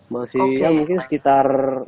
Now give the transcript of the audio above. masih ya mungkin sekitar